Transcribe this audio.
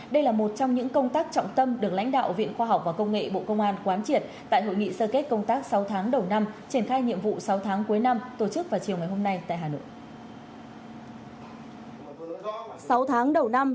đây là một trong những công tác trọng tâm được lãnh đạo viện khoa học và công nghệ bộ công an quán triệt tại hội nghị sơ kết công tác sáu tháng đầu năm triển khai nhiệm vụ sáu tháng cuối năm tổ chức vào chiều ngày hôm nay tại hà nội